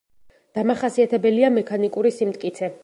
დამახასიათებელია მექანიკური სიმტკიცე.